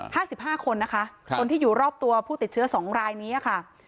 ห้าสิบห้าคนนะคะครับคนที่อยู่รอบตัวผู้ติดเชื้อสองรายนี้ค่ะ